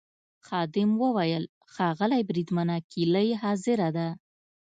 خادم وویل: ښاغلی بریدمنه کیلۍ حاضره ده.